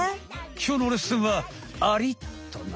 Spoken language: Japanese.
きょうのレッスンはアリっとな。